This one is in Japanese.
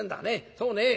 そうね